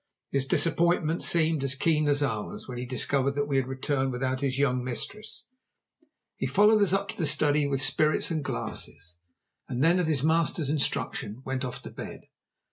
His disappointment seemed as keen as ours when he discovered that we had returned without his young mistress. He followed us up to the study with spirits and glasses, and then at his master's instruction went off to bed.